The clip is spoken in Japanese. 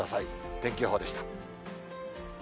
天気予報でした。